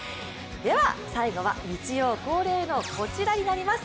最後は日曜恒例のこちらになります。